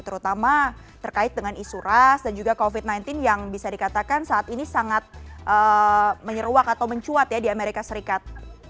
terutama terkait dengan isu ras dan juga covid sembilan belas yang bisa dikatakan saat ini sangat menyeruak atau mencuat ya di amerika serikat